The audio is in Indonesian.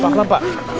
pak klam pak